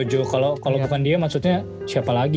setuju kalo kalo bukan dia maksudnya siapa lagi